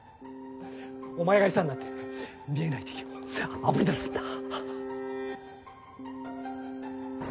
お前が餌になって見えない敵を炙り出すんだ。